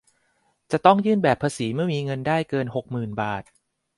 จะต้องยื่นแบบภาษีเมื่อมีเงินได้เกิน หกหมื่น บาท